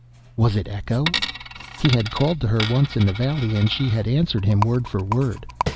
Was it Echo? He had called to her once in the valley, and she had answered him word for word.